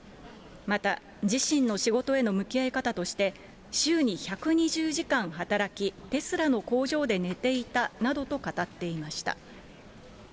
また、自身の仕事への向き合い方として、週に１２０時間働き、テスラの工場で寝ていたなどと語っていました。